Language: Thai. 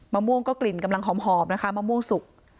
ม่วงก็กลิ่นกำลังหอมนะคะมะม่วงสุก